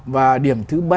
và điểm thứ ba